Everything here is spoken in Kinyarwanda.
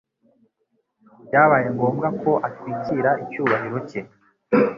Byabaye ngombwa ko atwikira icyubahiro cye